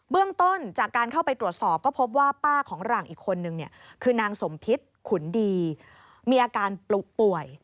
เรื่องต้นจากการเข้าไปตรวจสอบก็พบว่าป้าของหลังอีกคนนึงเนี่ยคือนางสมพิษขุนดีมีอาการปลุป่วย